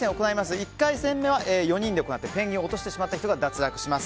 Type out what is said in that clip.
１回戦は４人で行ってペンギンを落としてしまった人が脱落です。